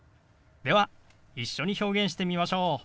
では一緒に表現してみましょう。